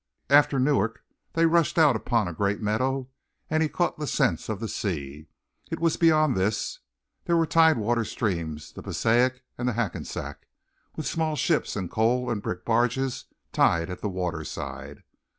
After Newark they rushed out upon a great meadow and he caught the sense of the sea. It was beyond this. These were tide water streams, the Passaic and the Hackensack, with small ships and coal and brick barges tied at the water side.